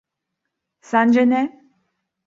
Sence ne?